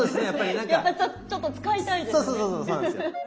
やっぱりちょっと使いたいですよね。